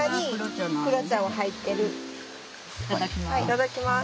いただきます。